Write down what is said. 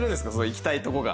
行きたいとこが。